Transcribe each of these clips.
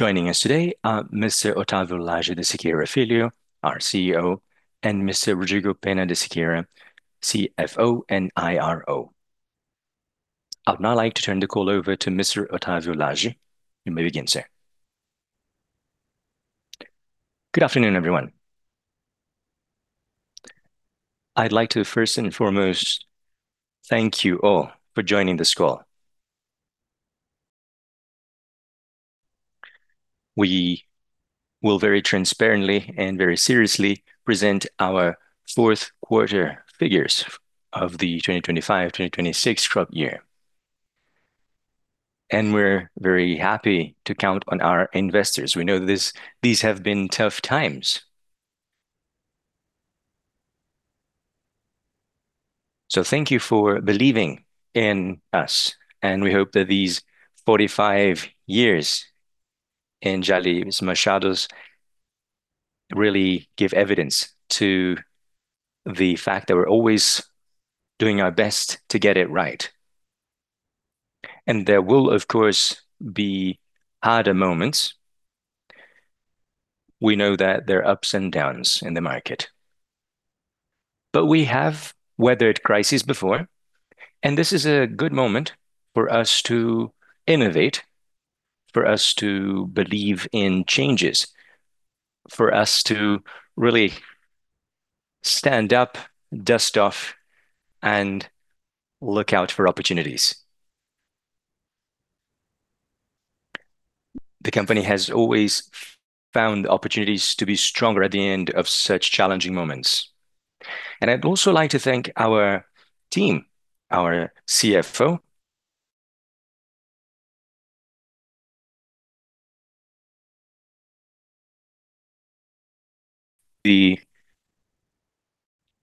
Joining us today are Mr. Otávio Lage de Siqueira Filho, our CEO, and Mr. Rodrigo Penna de Siqueira, CFO and IRO. I would now like to turn the call over to Mr. Otávio Lage. You may begin, sir. Good afternoon, everyone. I'd like to first and foremost thank you all for joining this call. We will very transparently and very seriously present our fourth quarter figures of the 2025-2026 crop year. We're very happy to count on our investors. We know these have been tough times. Thank you for believing in us, and we hope that these 45 years in Jalles Machado really give evidence to the fact that we're always doing our best to get it right. There will, of course, be harder moments. We know that there are ups and downs in the market. We have weathered crises before, and this is a good moment for us to innovate, for us to believe in changes, for us to really stand up, dust off, and look out for opportunities. The company has always found opportunities to be stronger at the end of such challenging moments. I'd also like to thank our team, our CFO. The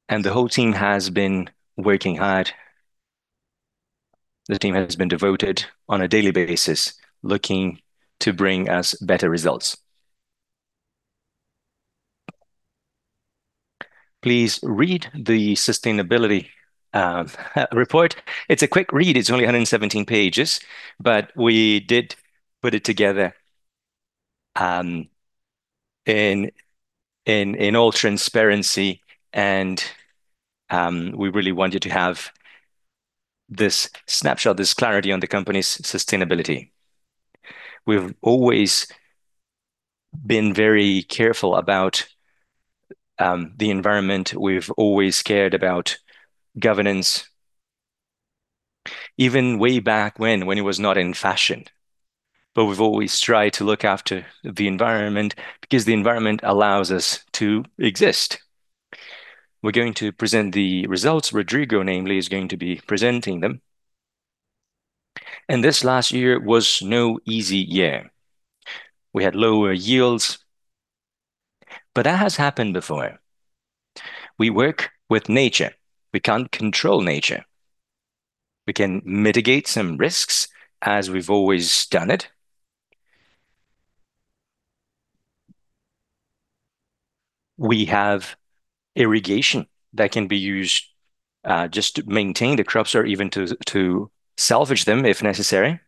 whole team has been working hard. The team has been devoted on a daily basis, looking to bring us better results. Please read the sustainability report. It's a quick read. It's only 117 pages, but we did put it together in all transparency, and we really want you to have this snapshot, this clarity on the company's sustainability. We've always been very careful about the environment. We've always cared about governance, even way back when it was not in fashion. We've always tried to look after the environment because the environment allows us to exist. We're going to present the results. Rodrigo, namely, is going to be presenting them. This last year was no easy year. We had lower yields, but that has happened before. We work with nature. We can't control nature. We can mitigate some risks as we've always done it. We have irrigation that can be used just to maintain the crops or even to salvage them if necessary.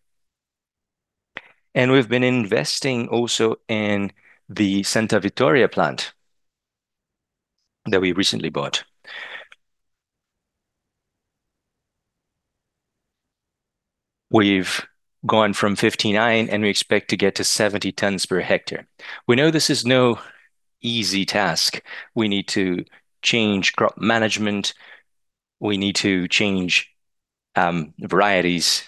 We've been investing also in the Santa Vitória plant that we recently bought. We've gone from 59 and we expect to get to 70 tons per hectare. We know this is no easy task. We need to change crop management. We need to change varieties.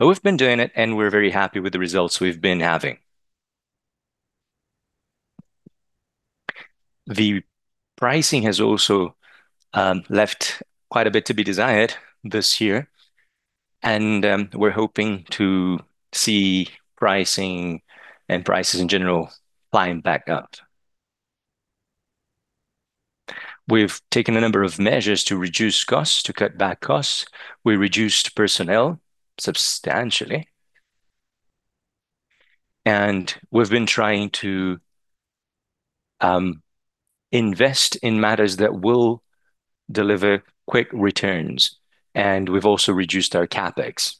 We've been doing it and we're very happy with the results we've been having. The pricing has also left quite a bit to be desired this year, we're hoping to see pricing and prices in general climb back up. We've taken a number of measures to reduce costs, to cut back costs. We reduced personnel substantially, we've been trying to invest in matters that will deliver quick returns, and we've also reduced our CapEx.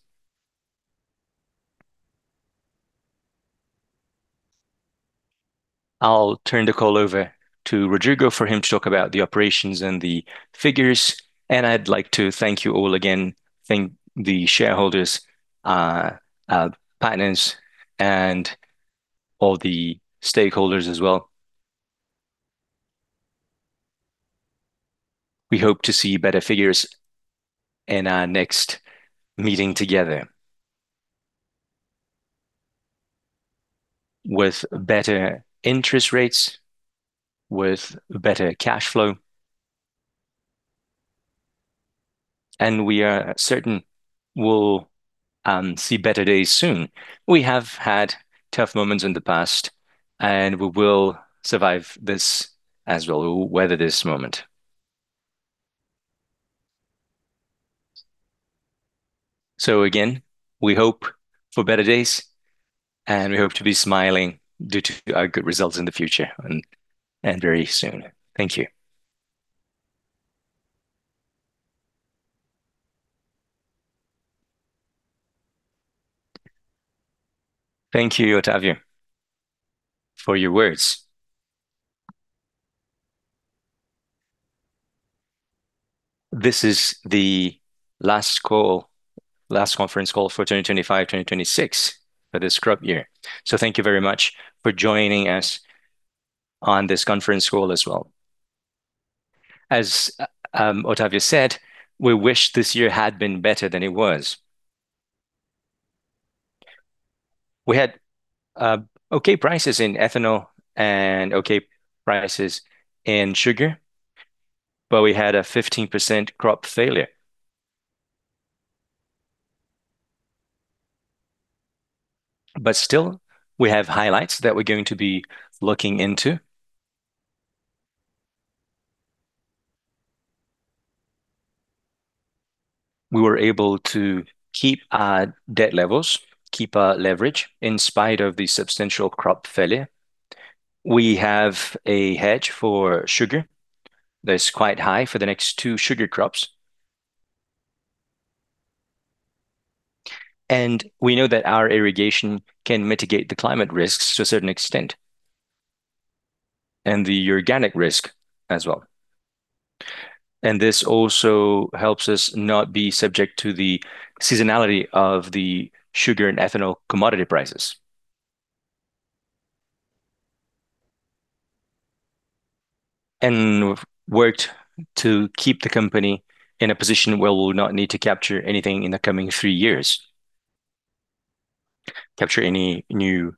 I'll turn the call over to Rodrigo for him to talk about the operations and the figures. I'd like to thank you all again, thank the shareholders, partners, and all the stakeholders as well. We hope to see better figures in our next meeting together with better interest rates, with better cash flow, we are certain we'll see better days soon. We have had tough moments in the past, we will survive this as well. We will weather this moment. We hope for better days, and we hope to be smiling due to our good results in the future and very soon. Thank you. Thank you, Otávio, for your words. This is the last conference call for 2025, 2026 for this crop year. Thank you very much for joining us on this conference call as well. As Otávio said, we wish this year had been better than it was. We had okay prices in ethanol and okay prices in sugar, but we had a 15% crop failure. Still, we have highlights that we're going to be looking into. We were able to keep our debt levels, keep our leverage, in spite of the substantial crop failure. We have a hedge for sugar that's quite high for the next two sugar crops. We know that our irrigation can mitigate the climate risks to a certain extent, and the organic risk as well. This also helps us not be subject to the seasonality of the sugar and ethanol commodity prices. We've worked to keep the company in a position where we'll not need to capture anything in the coming three years, capture any new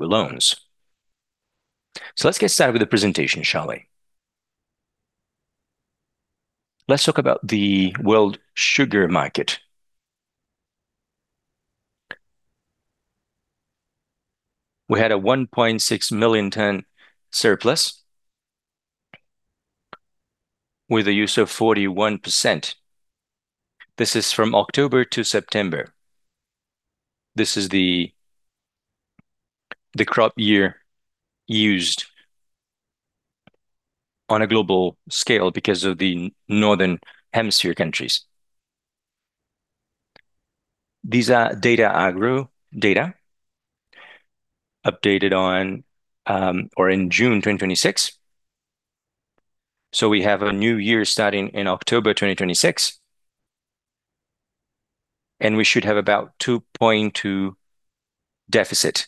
loans. Let's get started with the presentation, shall we? Let's talk about the world sugar market. We had a 1.6 million ton surplus with a use of 41%. This is from October to September. This is the crop year used on a global scale because of the northern hemisphere countries. These are Datagro data updated in June 2026. We have a new year starting in October 2026, and we should have about 2.2 deficit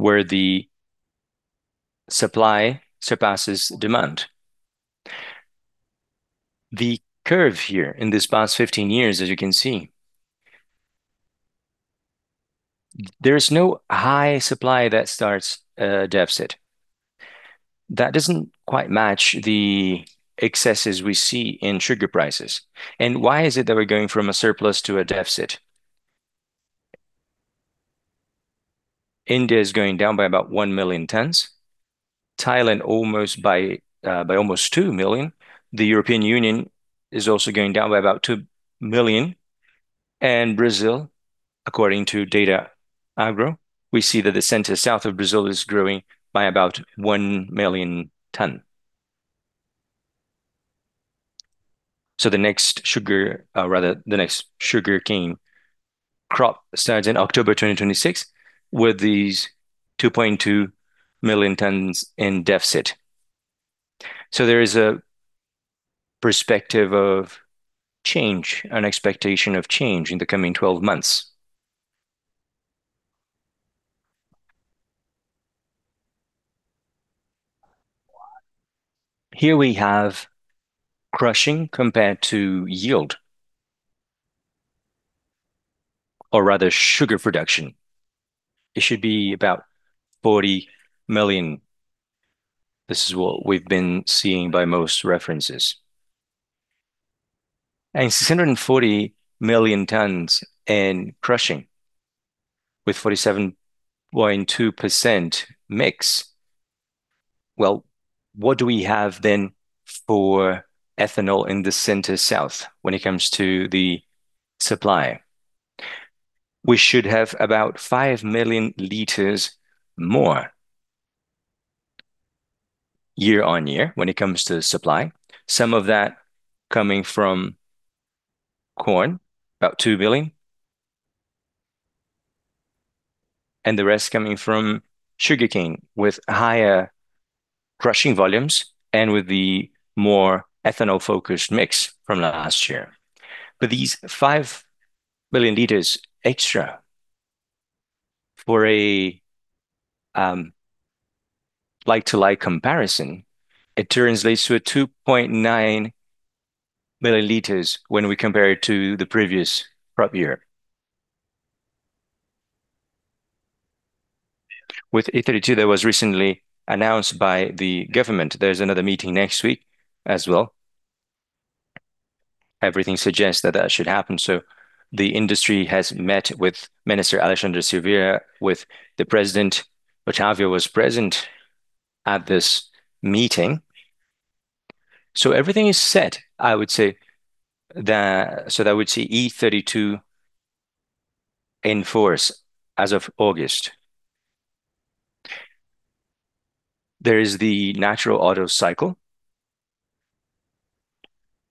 where the supply surpasses demand. The curve here in this past 15 years, as you can see, there is no high supply that starts a deficit. That doesn't quite match the excesses we see in sugar prices. Why is it that we're going from a surplus to a deficit? India is going down by about one million tons, Thailand by almost two million. The European Union is also going down by about two million, and Brazil, according to Datagro, we see that the center south of Brazil is growing by about one million ton. The next sugarcane crop starts in October 2026 with these 2.2 million tons in deficit. There is a perspective of change, an expectation of change in the coming 12 months. Here we have crushing compared to yield, or rather sugar production. It should be about 40 million. This is what we've been seeing by most references. 640 million tons in crushing with 47.2% mix. Well, what do we have then for ethanol in the center south when it comes to the supply? We should have about 5 million liters more year-on-year when it comes to supply. Some of that coming from corn, about two million, and the rest coming from sugarcane with higher crushing volumes and with the more ethanol-focused mix from last year. These five million liters extra for a like-to-like comparison, it translates to a 2.9 milliliters when we compare it to the previous crop year. With E32 that was recently announced by the government, there's another meeting next week as well. Everything suggests that that should happen, so the industry has met with Minister Alexandre Silveira, with the president. Otávio was present at this meeting. Everything is set, I would see E32 in force as of August. There is the natural auto cycle.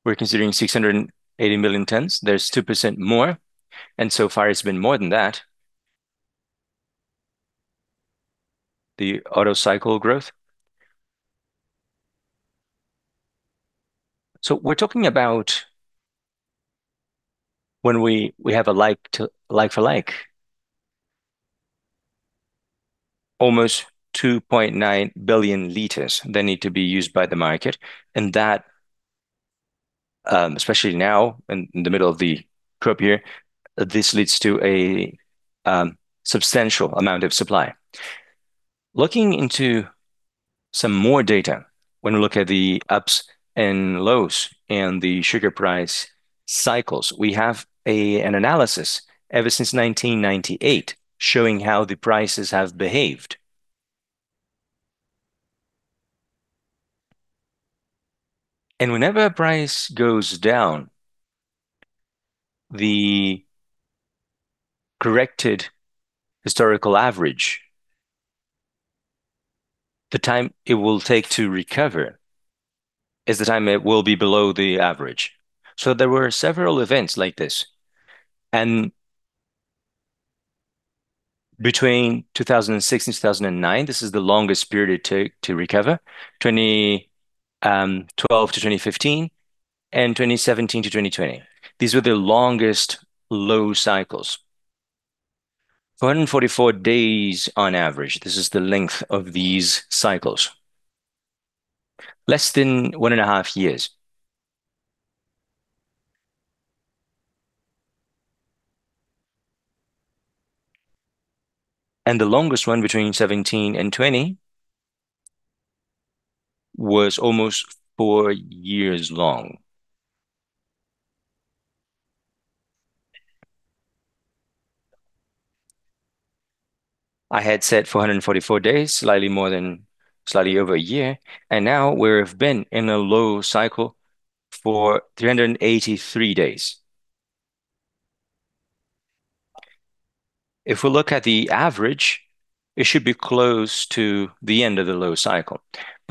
We're considering 680 million tons. There's 2% more, so far it's been more than that, the auto cycle growth. We're talking about when we have a like for like, almost 2.9 billion liters that need to be used by the market. That, especially now in the middle of the crop year, this leads to a substantial amount of supply. Looking into some more data, when we look at the ups and lows and the sugar price cycles, we have an analysis ever since 1998 showing how the prices have behaved. Whenever price goes down, the corrected historical average, the time it will take to recover is the time it will be below the average. There were several events like this, between 2006 and 2009, this is the longest period to recover, 2012 to 2015, and 2017 to 2020. These were the longest low cycles. 144 days on average, this is the length of these cycles, less than one and a half years. The longest one between 2017 and 2020 was almost four years long. I had said 444 days, slightly over a year, now we've been in a low cycle for 383 days. If we look at the average, it should be close to the end of the low cycle.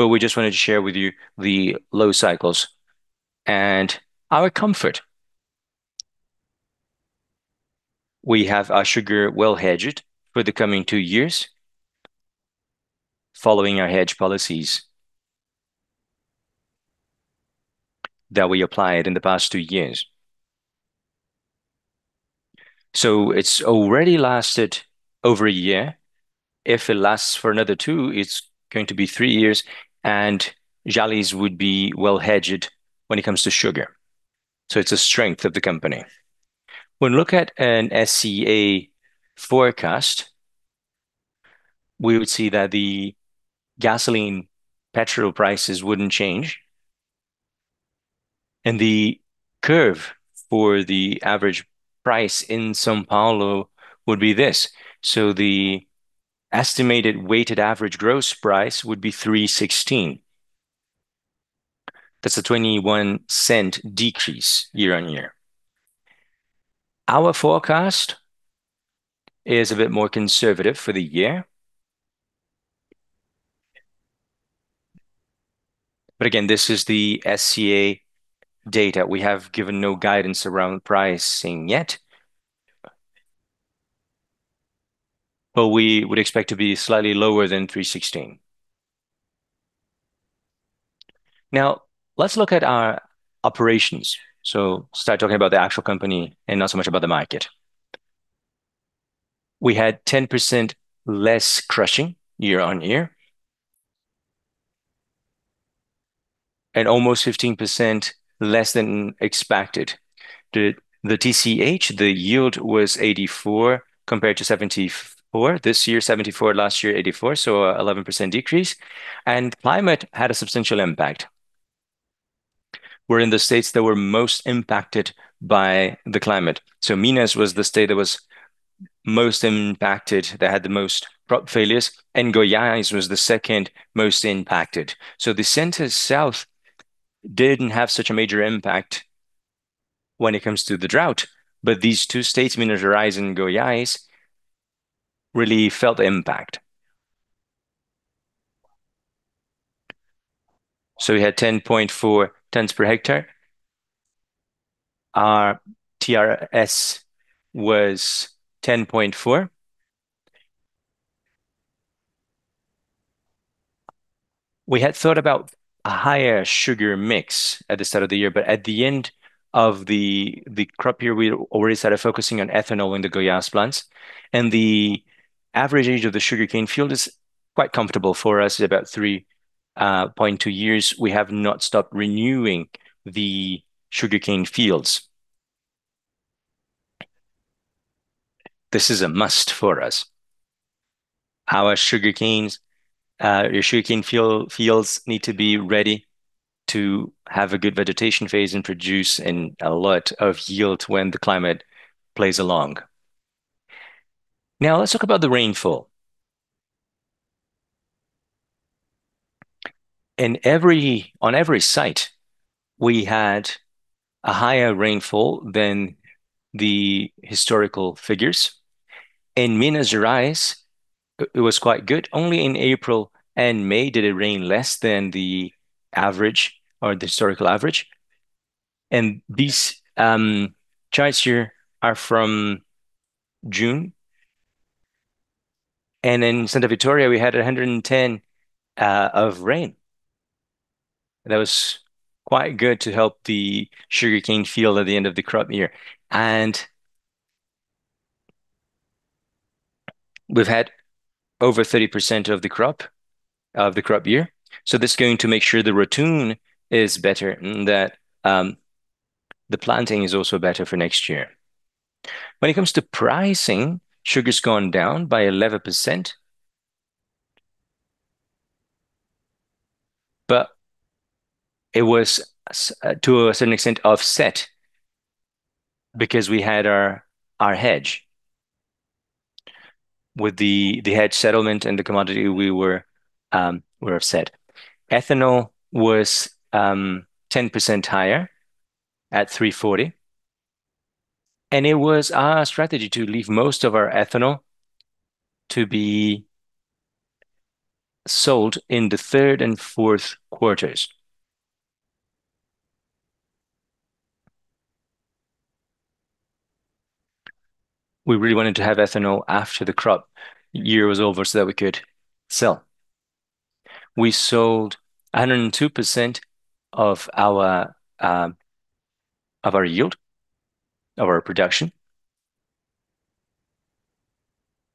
We just wanted to share with you the low cycles and our comfort. We have our sugar well-hedged for the coming two years, following our hedge policies that we applied in the past two years. It's already lasted over a year. If it lasts for another two, it's going to be three years, Jalles would be well-hedged when it comes to sugar. It's a strength of the company. When we look at an SCA forecast, we would see that the gasoline petrol prices wouldn't change, the curve for the average price in São Paulo would be this. The estimated weighted average gross price would be 316. That's a BRL 0.21 decrease year-on-year. Our forecast is a bit more conservative for the year. Again, this is the SCA data. We have given no guidance around pricing yet, we would expect to be slightly lower than 316. Now, let's look at our operations. Start talking about the actual company and not so much about the market. We had 10% less crushing year-on-year and almost 15% less than expected. The TCH, the yield was 84 compared to 74. This year 74, last year 84, 11% decrease. Climate had a substantial impact. We're in the states that were most impacted by the climate. Minas was the state that was most impacted, that had the most crop failures, and Goiás was the second most impacted. The Center-South didn't have such a major impact when it comes to the drought, but these two states, Minas Gerais and Goiás, really felt the impact. We had 10.4 tons per hectare. Our TRS was 10.4. We had thought about a higher sugar mix at the start of the year, but at the end of the crop year, we already started focusing on ethanol in the Goiás plants. The average age of the sugarcane field is quite comfortable for us. It's about 3.2 years. We have not stopped renewing the sugarcane fields. This is a must for us. Our sugarcane fields need to be ready to have a good vegetation phase and produce a lot of yield when the climate plays along. Now let's talk about the rainfall. On every site, we had a higher rainfall than the historical figures. In Minas Gerais, it was quite good. Only in April and May did it rain less than the average or the historical average. These charts here are from June. In Santa Vitória, we had 110 of rain. That was quite good to help the sugarcane field at the end of the crop year. We've had over 30% of the crop year. This is going to make sure the ratoon is better and that the planting is also better for next year. When it comes to pricing, sugar's gone down by 11%. It was to a certain extent offset because we had our hedge. With the hedge settlement and the commodity we were offset. Ethanol was 10% higher at 340. It was our strategy to leave most of our ethanol to be sold in the third and fourth quarters. We really wanted to have ethanol after the crop year was over so that we could sell. We sold 102% of our yield, of our production.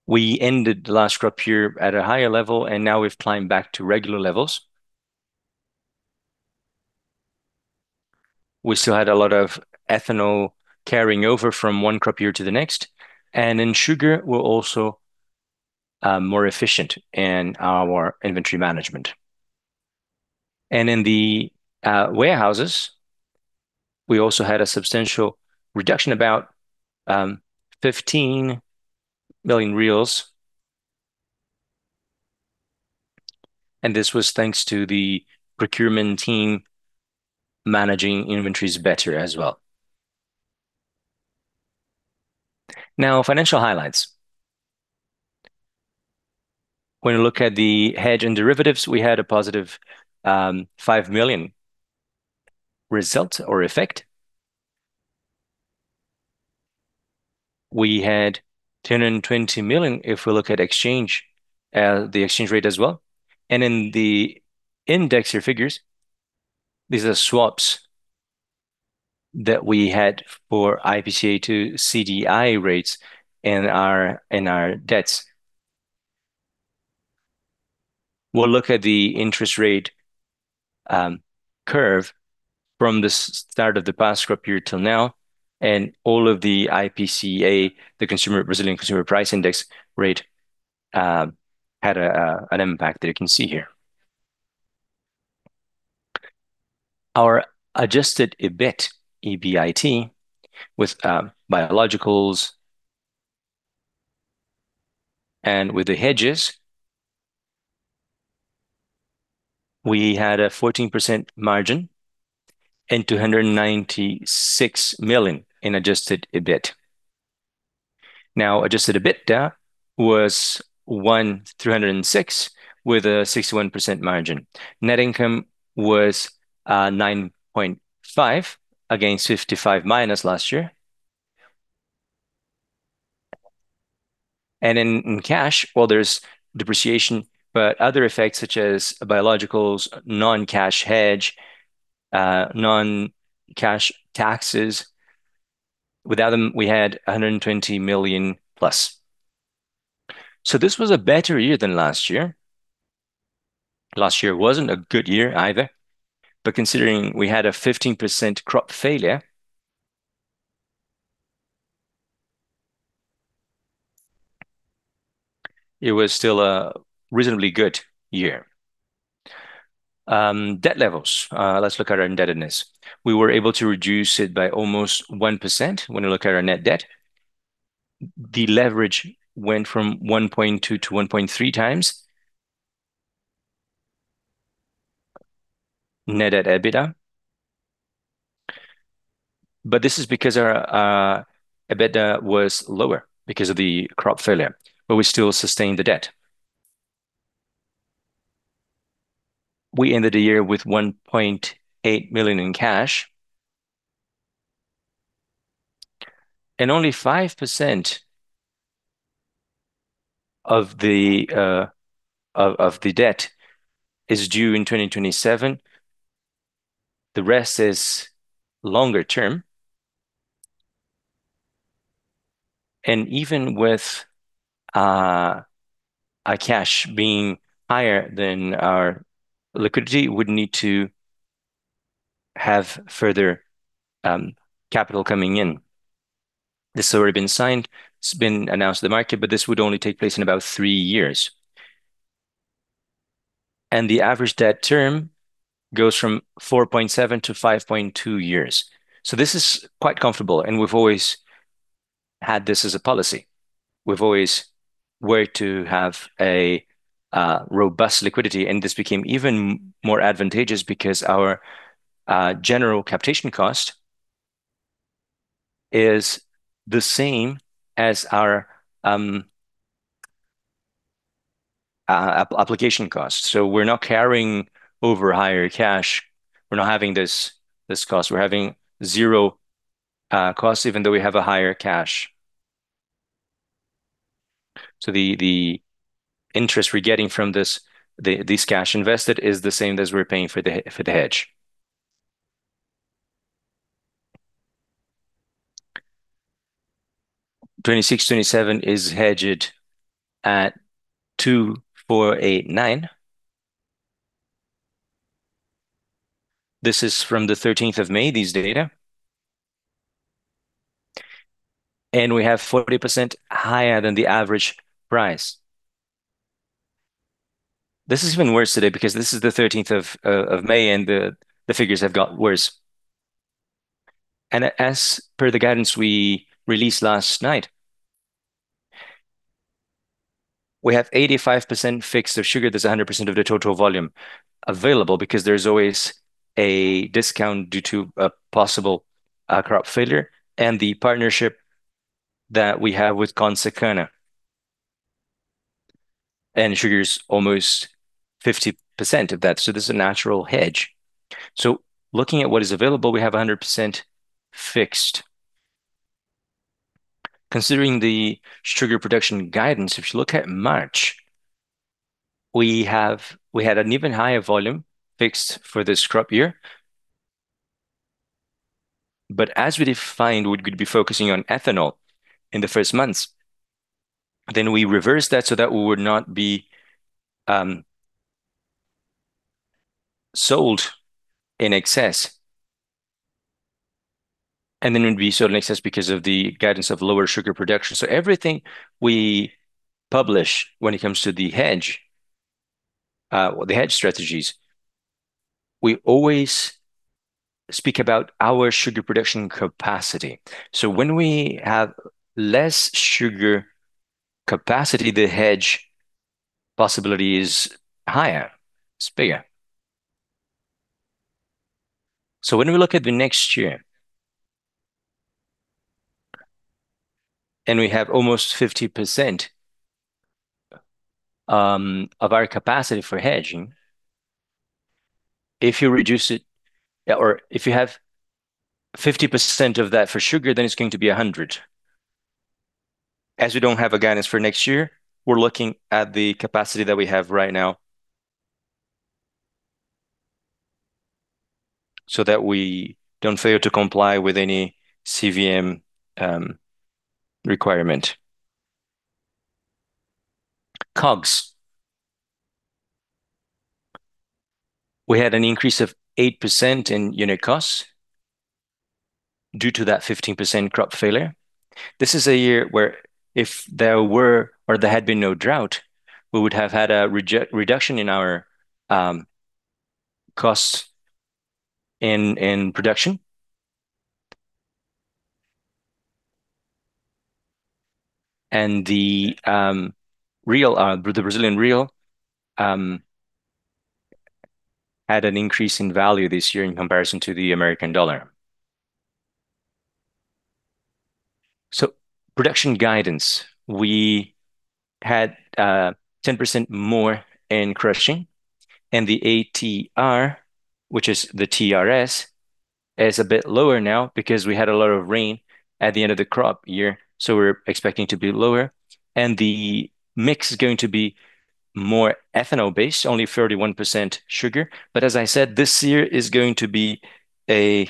We ended the last crop year at a higher level. Now we've climbed back to regular levels. We still had a lot of ethanol carrying over from one crop year to the next. In sugar, we're also more efficient in our inventory management. In the warehouses, we also had a substantial reduction, about BRL 15 million. This was thanks to the procurement team managing inventories better as well. Now, financial highlights. When you look at the hedge and derivatives, we had a positive 5 million result or effect. We had 10 million and 20 million if we look at the exchange rate as well. In the indexer figures, these are swaps that we had for IPCA to CDI rates in our debts. We'll look at the interest rate curve from the start of the past crop year till now. All of the IPCA, the Brazilian Consumer Price Index rate, had an impact that you can see here. Our adjusted EB IT, E-B-I-T, with biologicals and with the hedges, we had a 14% margin and 296 million in adjusted EBIT. Now, adjusted EBITDA was 1,306 with a 61% margin. Net income was 9.5 against 55 minus last year. In cash, well, there's depreciation. Other effects such as biologicals, non-cash hedge, non-cash taxes, without them, we had 120 million plus. This was a better year than last year. Last year wasn't a good year either. Considering we had a 15% crop failure, it was still a reasonably good year. Debt levels. Let's look at our indebtedness. We were able to reduce it by almost 1% when you look at our Net Debt. The leverage went from 1.2x to 1.3x Net Debt/EBITDA. This is because our EBITDA was lower because of the crop failure. We still sustained the debt. We ended the year with 1.8 million in cash. Only 5% of the debt is due in 2027. The rest is longer term. Even with our cash being higher than our liquidity, we'd need to have further capital coming in. This has already been signed. It's been announced to the market, but this would only take place in about three years. The average debt term goes from 4.7-5.2 years. This is quite comfortable, and we've always Had this as a policy. We've always worked to have a robust liquidity, and this became even more advantageous because our general capitation cost is the same as our application cost. We're not carrying over higher cash, we're not having this cost. We're having zero cost even though we have a higher cash. The interest we're getting from this cash invested is the same as we're paying for the hedge. 26, 27 is hedged at 2,489. This is from the 13th of May, these data. We have 40% higher than the average price. This is even worse today because this is the 13th of May, and the figures have got worse. As per the guidance we released last night, we have 85% fixed of sugar. That's 100% of the total volume available because there's always a discount due to a possible crop failure and the partnership that we have with Consecana. Sugar's almost 50% of that, this is a natural hedge. Looking at what is available, we have 100% fixed. Considering the sugar production guidance, if you look at March, we had an even higher volume fixed for this crop year. As we defined, we're going to be focusing on ethanol in the first months. We reversed that so that we would not be sold in excess and it would be sold in excess because of the guidance of lower sugar production. Everything we publish when it comes to the hedge or the hedge strategies, we always speak about our sugar production capacity. When we have less sugar capacity, the hedge possibility is higher, it's bigger. When we look at the next year and we have almost 50% of our capacity for hedging, if you reduce it or if you have 50% of that for sugar, then it's going to be 100. As we don't have a guidance for next year, we're looking at the capacity that we have right now so that we don't fail to comply with any CVM requirement. COGS. We had an increase of 8% in unit costs due to that 15% crop failure. This is a year where if there were or there had been no drought, we would have had a reduction in our cost in production. The Brazilian real had an increase in value this year in comparison to the U.S. dollar. Production guidance, we had 10% more in crushing, and the ATR, which is the TRS, is a bit lower now because we had a lot of rain at the end of the crop year, we're expecting to be lower. The mix is going to be more ethanol-based, only 31% sugar. As I said, this year is going to be a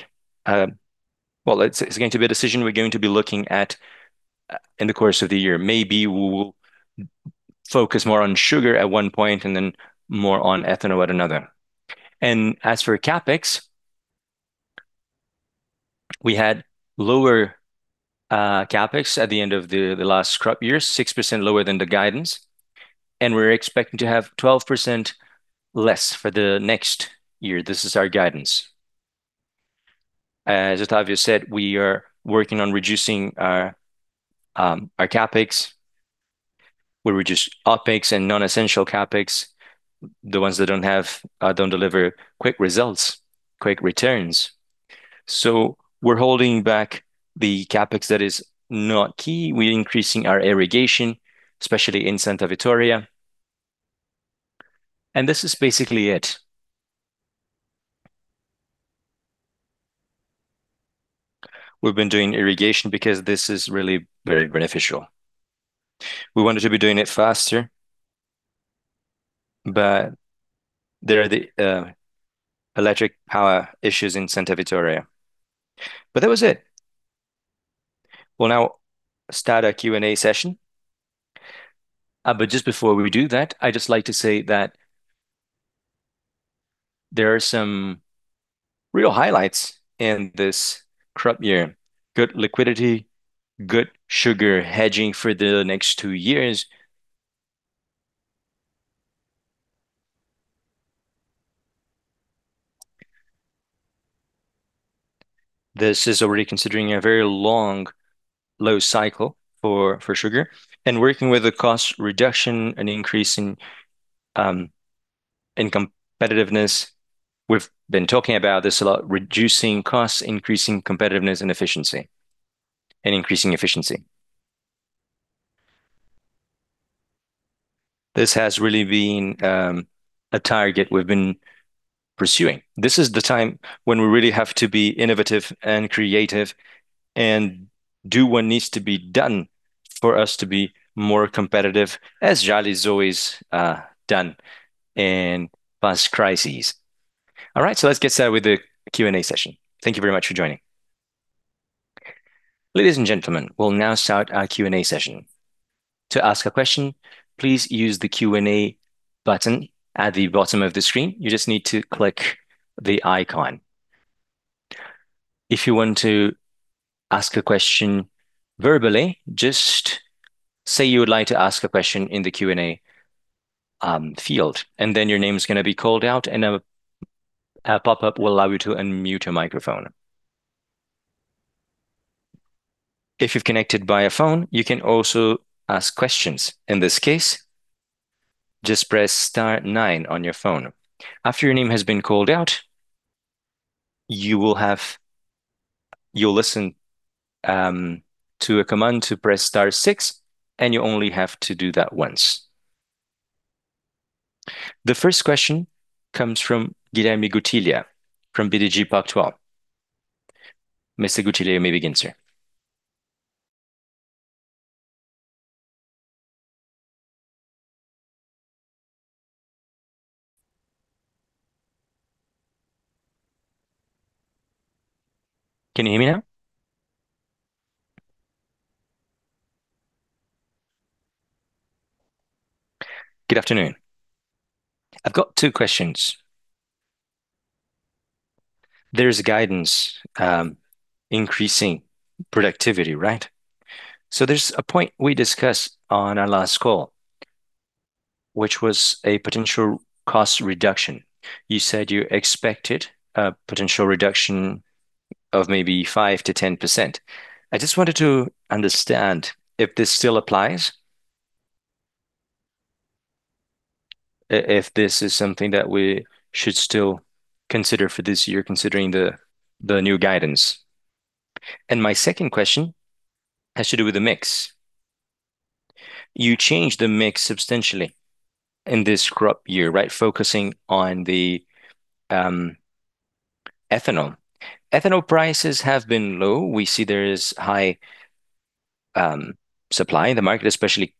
decision we're going to be looking at in the course of the year. Maybe we will focus more on sugar at one point and then more on ethanol at another. As for CapEx, we had lower CapEx at the end of the last crop year, 6% lower than the guidance, and we are expecting to have 12% less for the next year. This is our guidance. As Otávio said, we are working on reducing our CapEx. We reduce OpEx and non-essential CapEx, the ones that do not deliver quick results, quick returns. We are holding back the CapEx that is not key. We are increasing our irrigation, especially in Santa Vitória. This is basically it. We have been doing irrigation because this is really very beneficial. We wanted to be doing it faster, but there are the electric power issues in Santa Vitória. That was it. We will now start our Q&A session. Just before we do that, I would just like to say that there are some real highlights in this crop year. Good liquidity, good sugar hedging for the next two years. This is already considering a very long low cycle for sugar and working with a cost reduction and increasing in competitiveness. We have been talking about this a lot, reducing costs, increasing competitiveness and efficiency, and increasing efficiency. This has really been a target we have been pursuing. This is the time when we really have to be innovative and creative and do what needs to be done for us to be more competitive, as Jalles has always done in past crises. All right, let us get started with the Q&A session. Thank you very much for joining. Ladies and gentlemen, we will now start our Q&A session. To ask a question, please use the Q&A button at the bottom of the screen. You just need to click the icon. If you want to ask a question verbally, just say you would like to ask a question in the Q&A field, your name is going to be called out, and a pop-up will allow you to unmute your microphone. If you have connected by a phone, you can also ask questions. In this case, just press Star nine on your phone. After your name has been called out, you will listen to a command to press Star six, and you only have to do that once. The first question comes from Guilherme Guttilla from BTG Pactual. Mr. Guttilla, you may begin, sir. Can you hear me now? Good afternoon. I have got two questions. There is a guidance increasing productivity, right? There is a point we discussed on our last call, which was a potential cost reduction. You said you expected a potential reduction of maybe 5%-10%. I just wanted to understand if this still applies, if this is something that we should still consider for this year, considering the new guidance. My second question has to do with the mix. You changed the mix substantially in this crop year, right? Focusing on the ethanol. Ethanol prices have been low. We see there is high supply in the market, especially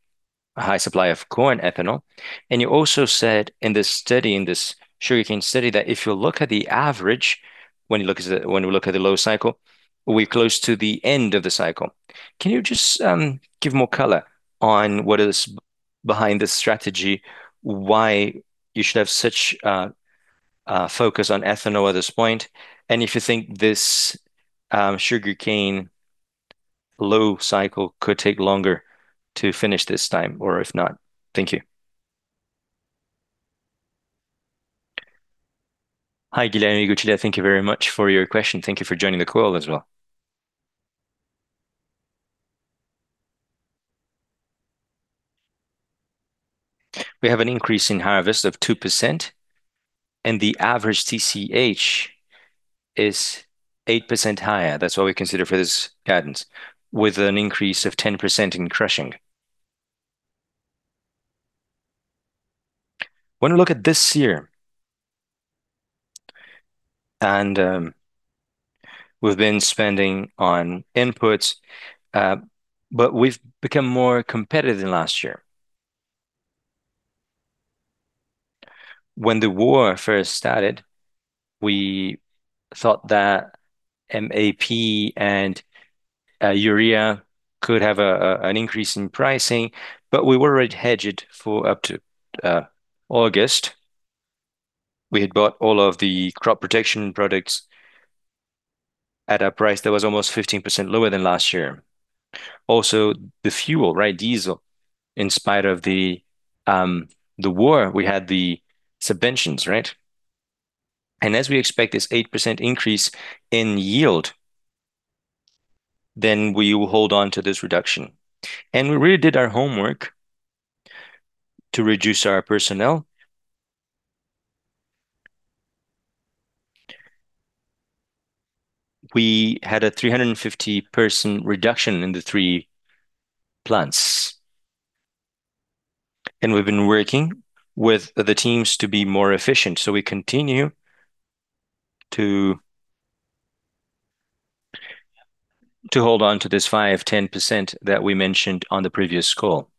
a high supply of corn ethanol. You also said in this study, in this sugarcane study, that if you look at the average, when we look at the low cycle, we are close to the end of the cycle. Can you just give more color on what is behind this strategy, why you should have such a focus on ethanol at this point, and if you think this sugarcane low cycle could take longer to finish this time or if not? Thank you. Hi, Guilherme Guttilla.Thank you very much for your question. Thank you for joining the call as well. We have an increase in harvest of 2% and the average TCH is 8% higher. That's what we consider for this guidance, with an increase of 10% in crushing. When we look at this year, we've been spending on inputs, we've become more competitive than last year. When the war first started, we thought that MAP and urea could have an increase in pricing, we were already hedged for up to August. We had bought all of the crop protection products at a price that was almost 15% lower than last year. Also, the fuel, diesel. In spite of the war, we had the subventions. As we expect this 8% increase in yield, we will hold on to this reduction. We really did our homework to reduce our personnel. We had a 350-person reduction in the three plants, we've been working with the teams to be more efficient. We continue to hold on to this 5, 10% that we mentioned on the previous call.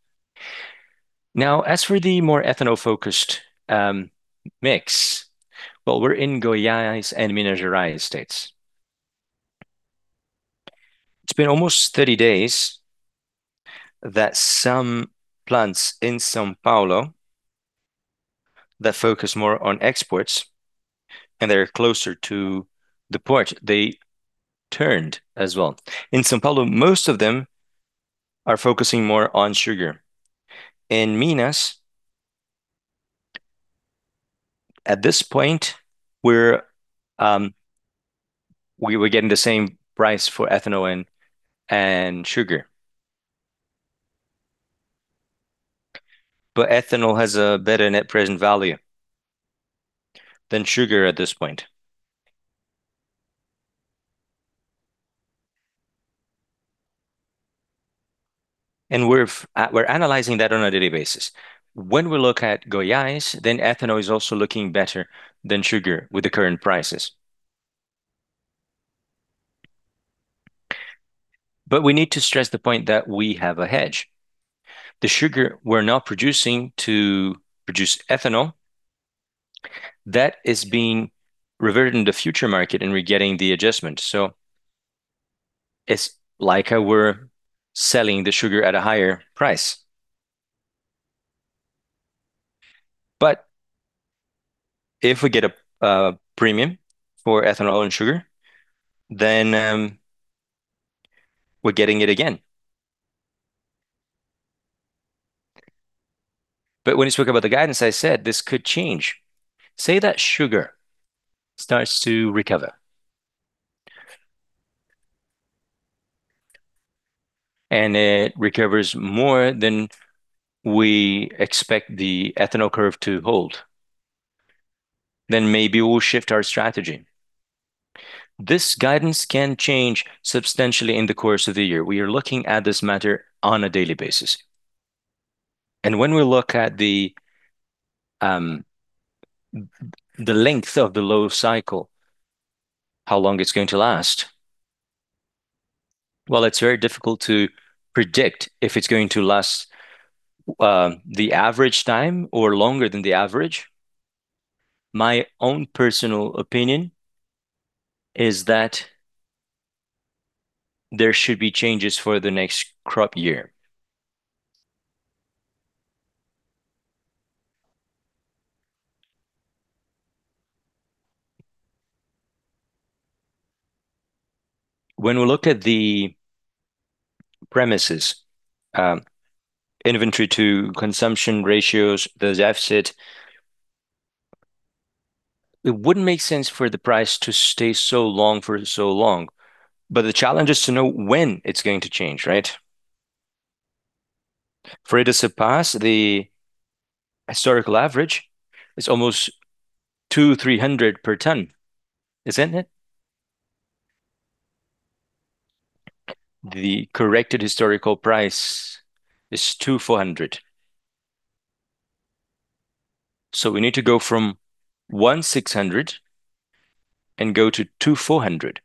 Now, as for the more ethanol-focused mix, well, we're in Goiás and Minas Gerais states. It's been almost 30 days that some plants in São Paulo that focus more on exports and they're closer to the port, they turned as well. In São Paulo, most of them are focusing more on sugar. At this point, we were getting the same price for ethanol and sugar. Ethanol has a better net present value than sugar at this point. We're analyzing that on a daily basis. When we look at Goiás, ethanol is also looking better than sugar with the current prices. We need to stress the point that we have a hedge. The sugar we're now producing to produce ethanol, that is being reverted in the future market and we're getting the adjustment. It's like we're selling the sugar at a higher price. If we get a premium for ethanol and sugar, we're getting it again. When you spoke about the guidance, I said this could change. Say that sugar starts to recover, it recovers more than we expect the ethanol curve to hold, maybe we'll shift our strategy. This guidance can change substantially in the course of the year. We are looking at this matter on a daily basis. When we look at the length of the low cycle, how long it's going to last, while it's very difficult to predict if it's going to last the average time or longer than the average, my own personal opinion is that there should be changes for the next crop year. When we look at the premises, inventory to consumption ratios, those deficit, it wouldn't make sense for the price to stay so long for so long. The challenge is to know when it's going to change, right? For it to surpass the historical average, it's almost 200-300 per ton, isn't it? The corrected historical price is 200-400. We need to go from 100-600 and go to 200-400.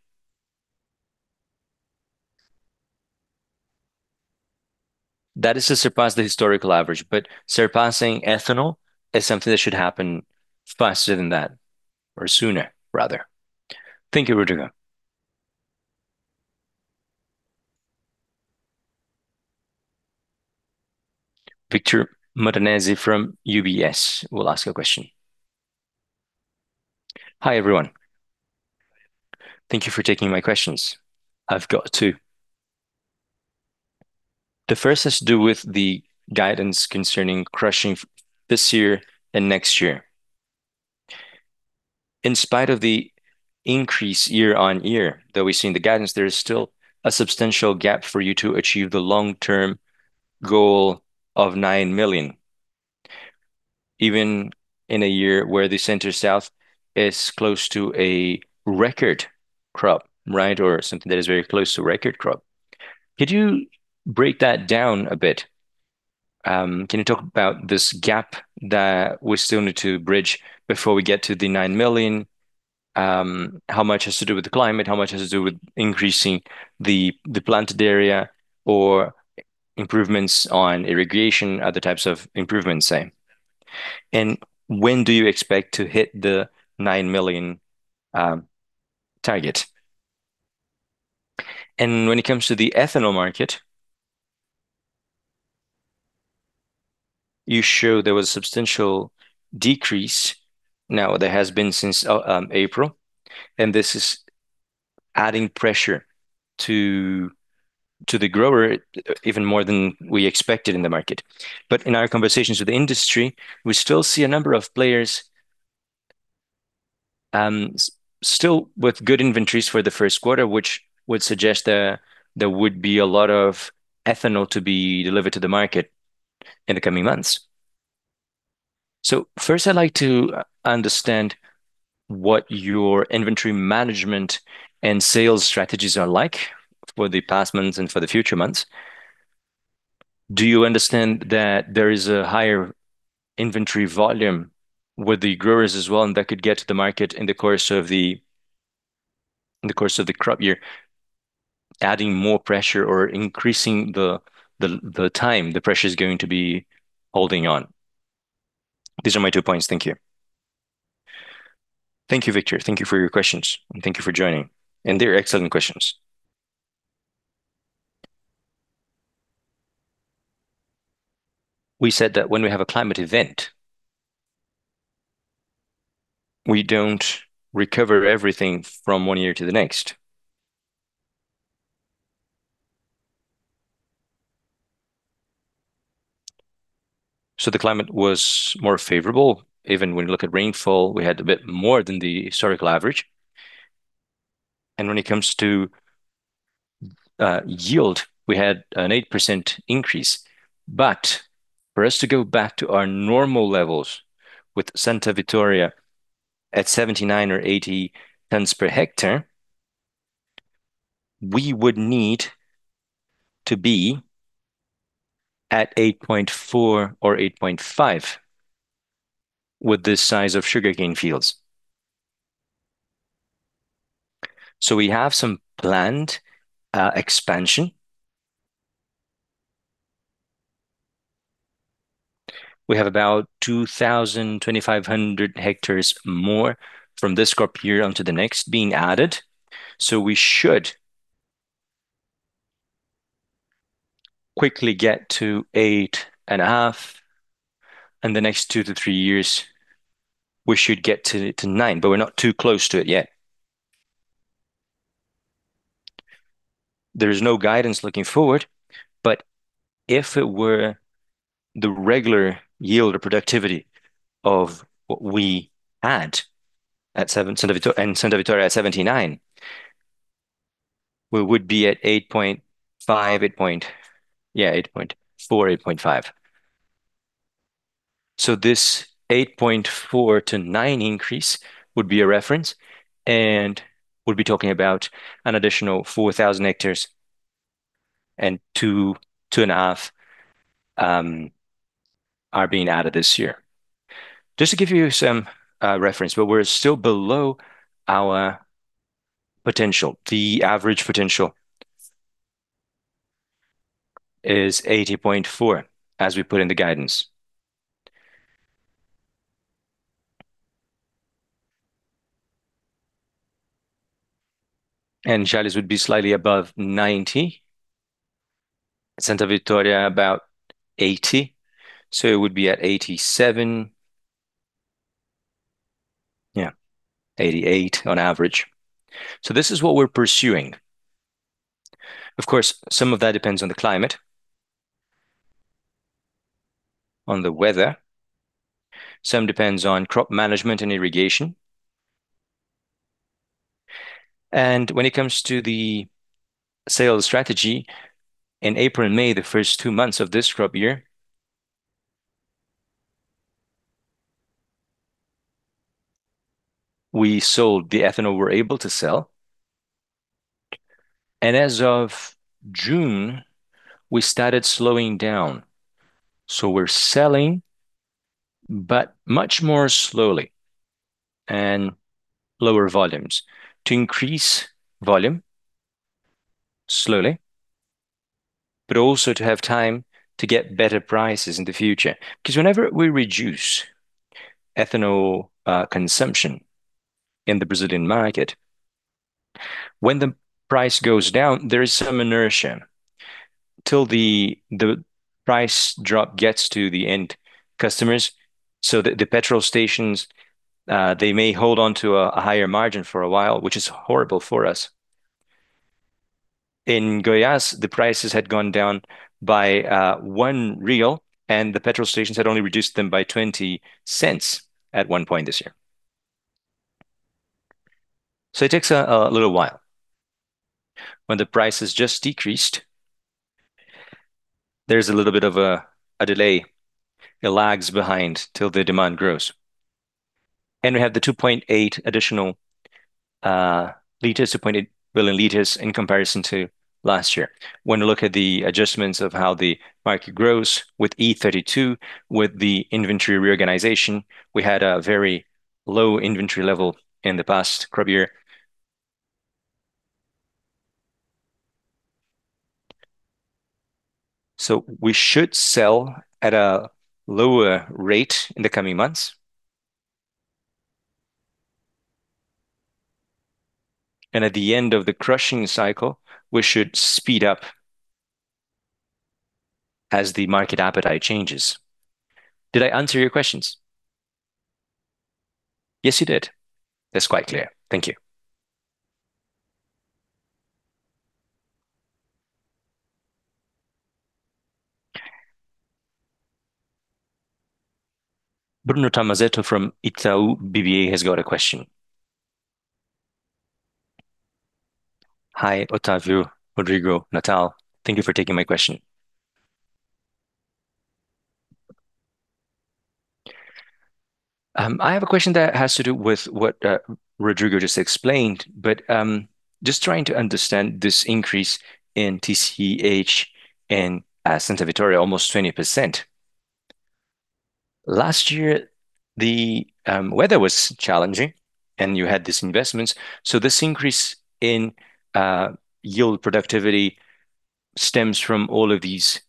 That is to surpass the historical average, surpassing ethanol is something that should happen faster than that, or sooner, rather. Thank you, Rodrigo. Victor Martin from UBS will ask a question. Hi, everyone. Thank you for taking my questions. I've got two. The first has to do with the guidance concerning crushing this year and next year. In spite of the increase year-over-year that we see in the guidance, there is still a substantial gap for you to achieve the long-term goal of nine million, even in a year where the Center South is close to a record crop, right? Or something that is very close to a record crop. Could you break that down a bit? Can you talk about this gap that we still need to bridge before we get to the nine million? How much has to do with the climate, how much has to do with increasing the planted area or improvements on irrigation, other types of improvements, say? When do you expect to hit the nine million target? When it comes to the ethanol market, you show there was a substantial decrease now that has been since April, and this is adding pressure to the grower even more than we expected in the market. In our conversations with the industry, we still see a number of players still with good inventories for the first quarter, which would suggest there would be a lot of ethanol to be delivered to the market in the coming months. First, I'd like to understand what your inventory management and sales strategies are like for the past months and for the future months. Do you understand that there is a higher inventory volume with the growers as well, and that could get to the market in the course of the crop year, adding more pressure or increasing the time the pressure is going to be holding on? These are my two points. Thank you. Thank you, Victor. Thank you for your questions, and thank you for joining. They're excellent questions. We said that when we have a climate event, we don't recover everything from one year to the next. The climate was more favorable. Even when you look at rainfall, we had a bit more than the historical average. When it comes to yield, we had an 8% increase. For us to go back to our normal levels with Santa Vitória at 79 or 80 tons per hectare, we would need to be at 8.4 or 8.5 with this size of sugarcane fields. We have some planned expansion. We have about 2,000-2,500 hectares more from this crop year onto the next being added. We should quickly get to 8.5. In the next 2-3 years, we should get to 9, but we're not too close to it yet. There is no guidance looking forward, but if it were the regular yield or productivity of what we had and Santa Vitória at 79, we would be at 8.5. Yeah, 8.4, 8.5. This 8.4 to 9 increase would be a reference, and we'll be talking about an additional 4,000 hectares and 2-2.5 are being added this year. To give you some reference, we're still below our potential. The average potential is 80.4, as we put in the guidance. Jalles would be slightly above 90. Santa Vitória, about 80. It would be at 87. Yeah, 88 on average. This is what we're pursuing. Of course, some of that depends on the climate, on the weather. Some depends on crop management and irrigation. When it comes to the sales strategy, in April and May, the first two months of this crop year, we sold the ethanol we're able to sell. As of June, we started slowing down. We're selling, but much more slowly and lower volumes to increase volume slowly, but also to have time to get better prices in the future. Whenever we reduce ethanol consumption in the Brazilian market, when the price goes down, there is some inertia till the price drop gets to the end customers. The petrol stations, they may hold on to a higher margin for a while, which is horrible for us. In Goiás, the prices had gone down by 1 real, and the petrol stations had only reduced them by 0.20 at one point this year. It takes a little while. When the price has just decreased, there's a little bit of a delay. It lags behind till the demand grows. We have the 2.8 additional liters, 2.8 billion liters in comparison to last year. When you look at the adjustments of how the market grows with E32, with the inventory reorganization, we had a very low inventory level in the past crop year. We should sell at a lower rate in the coming months. At the end of the crushing cycle, we should speed up as the market appetite changes. Did I answer your questions? Yes, you did. That's quite clear. Thank you. Bruno Tomazetto from Itaú BBA has got a question. Hi, Otávio, Rodrigo, Natal. Thank you for taking my question. I have a question that has to do with what Rodrigo just explained, but just trying to understand this increase in TCH in Santa Vitória, almost 20%. Last year, the weather was challenging and you had these investments. This increase in yield productivity stems from all of these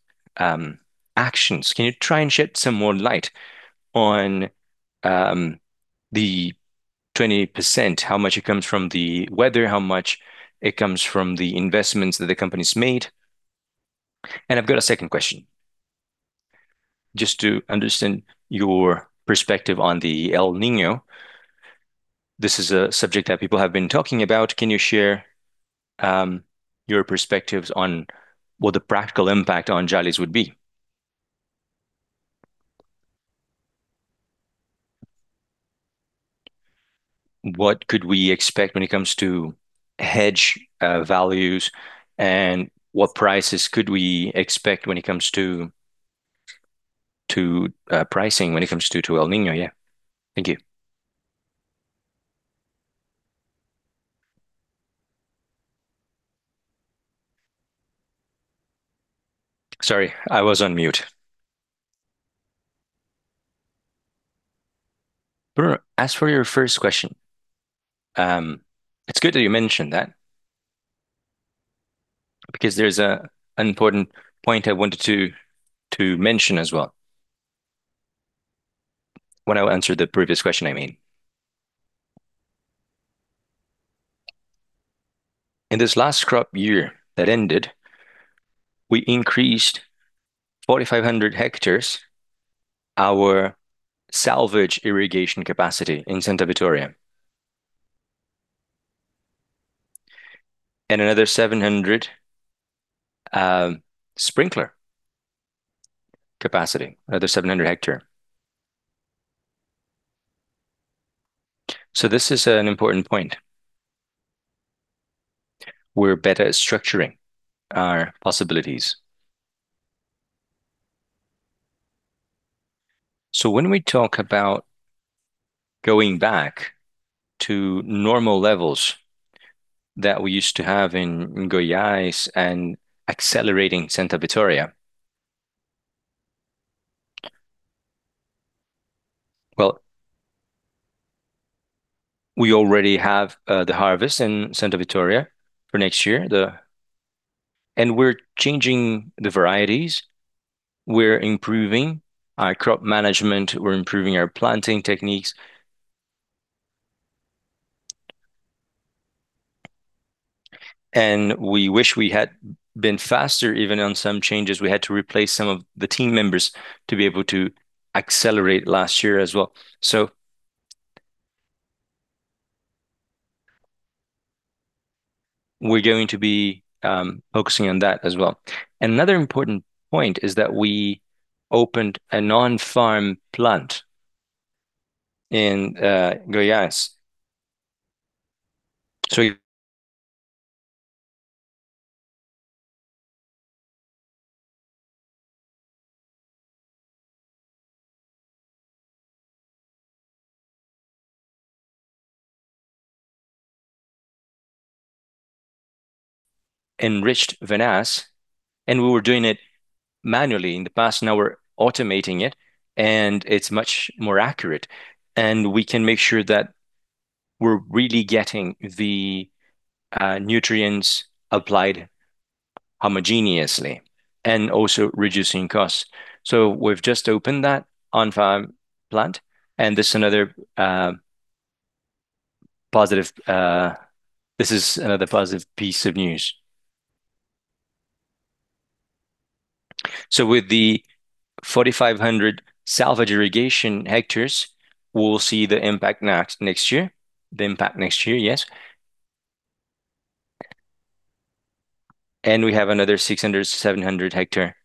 actions. Can you try and shed some more light on the 20%? How much it comes from the weather, how much it comes from the investments that the company's made. I've got a second question Just to understand your perspective on the El Niño. This is a subject that people have been talking about. Can you share your perspectives on what the practical impact on Jalles would be? What could we expect when it comes to hedge values, and what prices could we expect when it comes to pricing when it comes to El Niño? Yeah. Thank you. Sorry, I was on mute. Bruno, as for your first question, it's good that you mentioned that because there's an important point I wanted to mention as well. When I answered the previous question, I mean. In this last crop year that ended, we increased 4,500 hectares our salvage irrigation capacity in Santa Vitória and another 700 sprinkler capacity, another 700 hectare. This is an important point. We're better at structuring our possibilities. When we talk about going back to normal levels that we used to have in Goiás and accelerating Santa Vitória, we already have the harvest in Santa Vitória for next year. We're changing the varieties. We're improving our crop management. We're improving our planting techniques. We wish we had been faster even on some changes. We had to replace some of the team members to be able to accelerate last year as well. We're going to be focusing on that as well. Another important point is that we opened a non-farm plant in Goiás. We enriched Vinasse, and we were doing it manually in the past. Now we're automating it, and it's much more accurate, and we can make sure that we're really getting the nutrients applied homogeneously and also reducing costs. We've just opened that on-farm plant, and this is another positive piece of news. With the 4,500 salvage irrigation hectares, we'll see the impact next year, yes. We have another 600, 700 hectare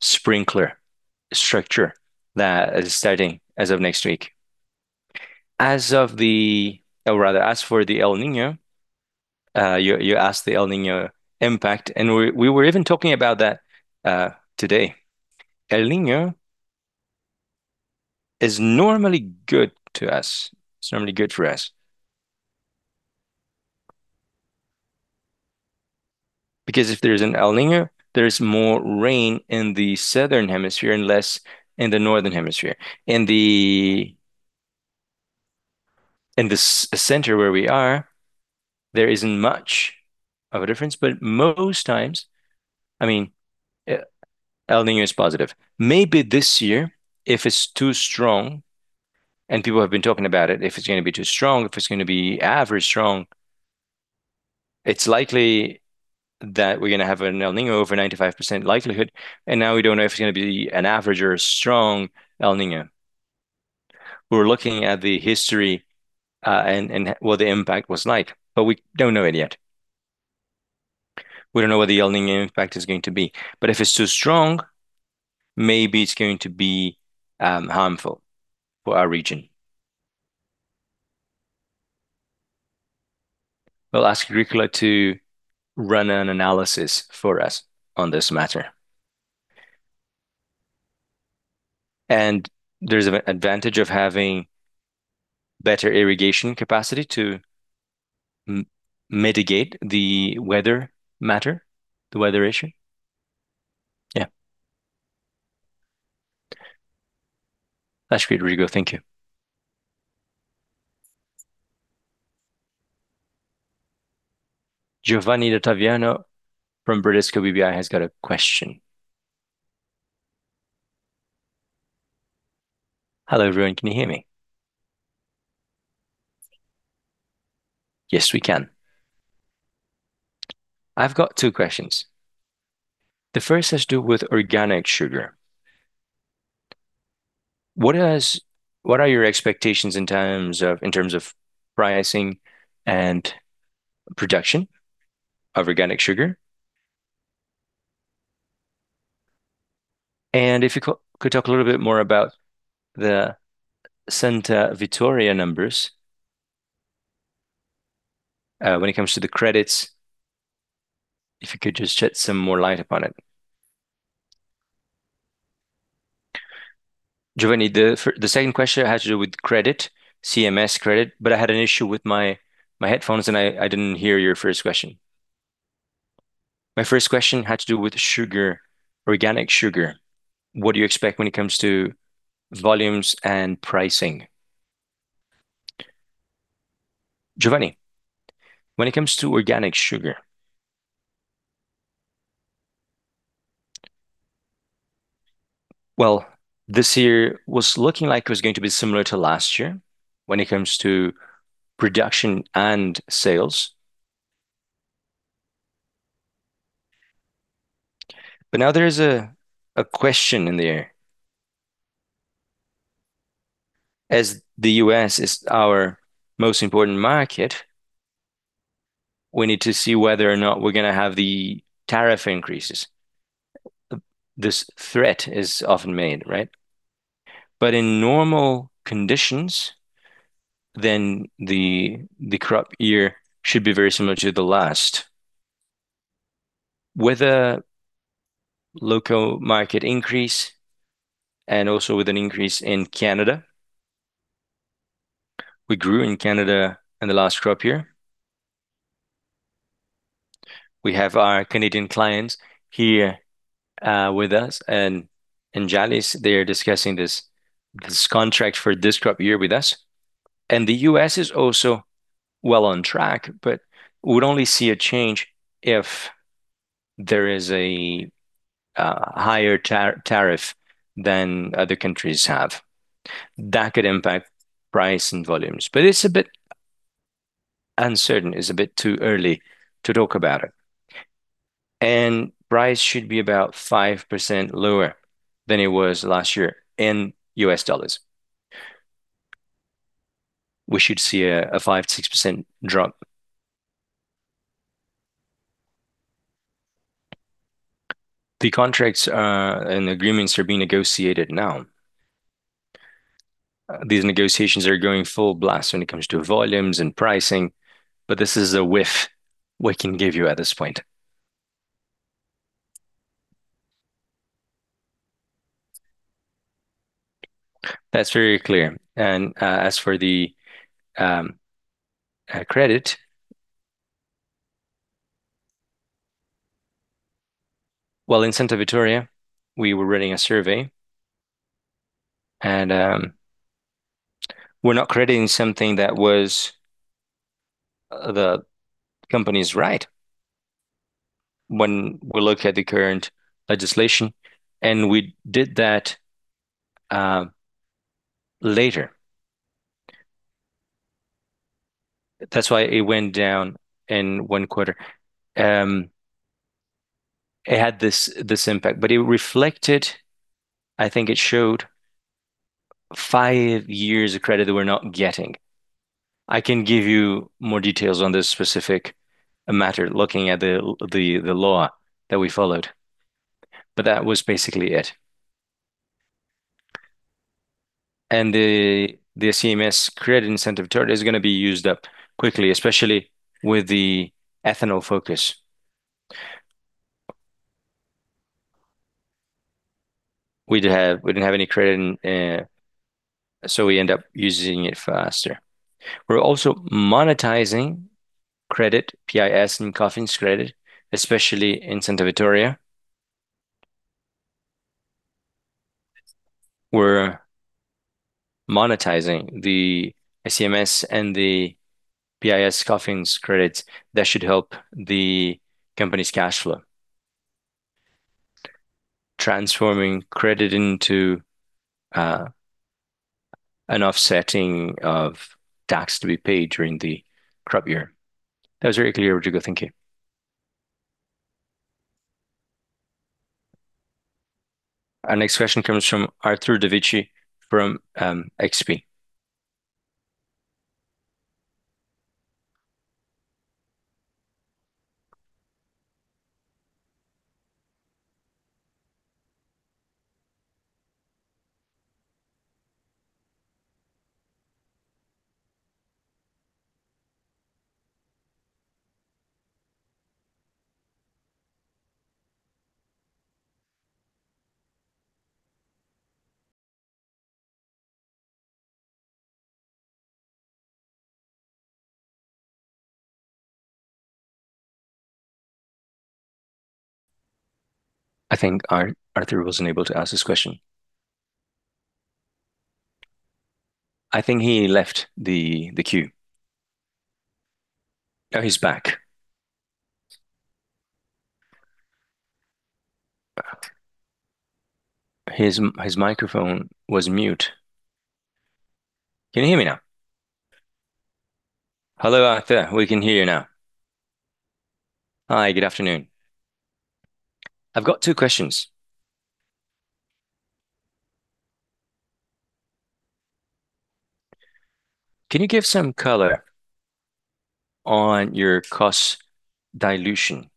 sprinkler structure that is starting as of next week. As for the El Niño, you asked the El Niño impact, and we were even talking about that today. El Niño is normally good to us. It's normally good for us. If there's an El Niño, there's more rain in the southern hemisphere and less in the northern hemisphere. In the center where we are, there isn't much of a difference, but most times, El Niño is positive. Maybe this year, if it's too strong, and people have been talking about it, if it's going to be too strong, if it's going to be average strong, it's likely that we're going to have an El Niño over 95% likelihood. Now we don't know if it's going to be an average or a strong El Niño. We're looking at the history, and what the impact was like. We don't know it yet. We don't know what the El Niño impact is going to be. If it's too strong, maybe it's going to be harmful for our region. We'll ask Agricola to run an analysis for us on this matter. There's an advantage of having better irrigation capacity to mitigate the weather matter, the weather issue. Yeah. That's great, Rodrigo. Thank you. Giovanni D'Ottaviano from Bradesco BBI has got a question. Hello, everyone. Can you hear me? Yes, we can. I've got two questions. The first has to do with organic sugar. What are your expectations in terms of pricing and production of organic sugar? If you could talk a little bit more about the Santa Vitória numbers when it comes to the credits, if you could just shed some more light upon it. Giovanni, the second question has to do with credit, ICMS credit, I had an issue with my headphones, and I didn't hear your first question. My first question had to do with sugar, organic sugar. What do you expect when it comes to volumes and pricing? Giovanni, when it comes to organic sugar. This year was looking like it was going to be similar to last year when it comes to production and sales. Now there is a question in the air. As the U.S. is our most important market, we need to see whether or not we're going to have the tariff increases. This threat is often made, right? In normal conditions, the crop year should be very similar to the last, with a local market increase and also with an increase in Canada. We grew in Canada in the last crop year. We have our Canadian clients here with us, and in Jalles they're discussing this contract for this crop year with us. The U.S. is also well on track, but we would only see a change if there is a higher tariff than other countries have. That could impact price and volumes. It's a bit uncertain, it's a bit too early to talk about it. Price should be about 5% lower than it was last year in US dollars. We should see a 5%-6% drop. The contracts and agreements are being negotiated now. These negotiations are going full blast when it comes to volumes and pricing, but this is a whiff we can give you at this point. That's very clear. As for the credit, well, in Santa Vitória, we were running a survey, and we're not crediting something that was the company's right when we look at the current legislation, and we did that later. That's why it went down in one quarter. It had this impact, but it reflected, I think it showed 5 years of credit that we're not getting. I can give you more details on this specific matter, looking at the law that we followed. That was basically it. The ICMS credit incentive turn is going to be used up quickly, especially with the ethanol focus. We didn't have any credit, we end up using it faster. We're also monetizing credit, PIS and COFINS credit, especially in Santa Vitória. We're monetizing the ICMS and the PIS/COFINS credits that should help the company's cash flow, transforming credit into an offsetting of tax to be paid during the crop year. That was very clear, Rodrigo. Thank you. Our next question comes from Arthur Davicce from XP. I think Arthur wasn't able to ask his question. I think he left the queue. Now he's back. His microphone was mute. Can you hear me now? Hello, Arthur. We can hear you now. Hi. Good afternoon. I've got two questions. Can you give some color on your cost dilution,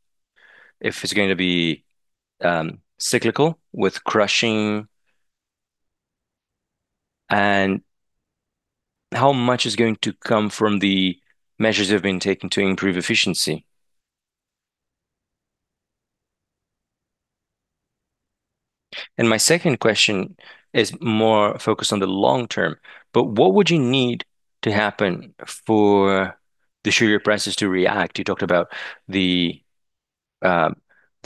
if it's going to be cyclical with crushing, and how much is going to come from the measures that have been taken to improve efficiency? My second question is more focused on the long term, what would you need to happen for the sugar prices to react? You talked about the